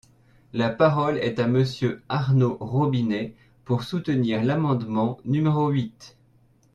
La parole est à Monsieur Arnaud Robinet, pour soutenir l’amendement numéro huit.